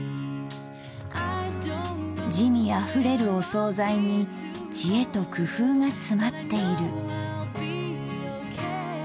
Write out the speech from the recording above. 滋味あふれるお総菜に知恵と工夫がつまっている。